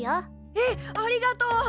えっありがとう！